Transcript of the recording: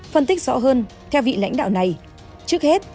phân tích rõ hơn theo vị lãnh đạo này trước hết